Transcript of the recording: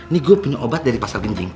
nih gue punya obat dari pasar dinding